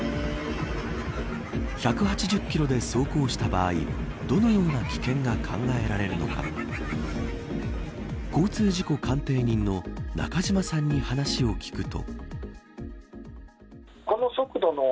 １８０キロで走行した場合どのような危険が考えられるのか交通事故鑑定人の中島さんに話を聞くと。